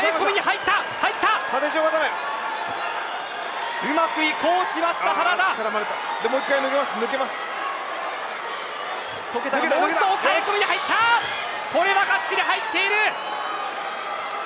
これはがっちり入っている。